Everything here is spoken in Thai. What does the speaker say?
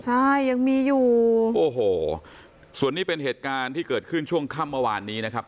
ใช่ยังมีอยู่โอ้โหส่วนนี้เป็นเหตุการณ์ที่เกิดขึ้นช่วงค่ำเมื่อวานนี้นะครับ